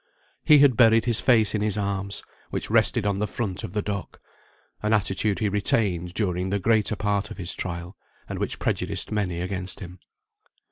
He had buried his face in his arms, which rested on the front of the dock (an attitude he retained during the greater part of his trial, and which prejudiced many against him).